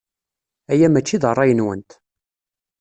Aya maci d ṛṛay-nwent.